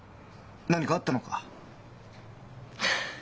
何かあったのか？